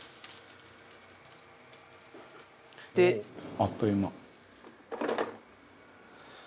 「あっという間」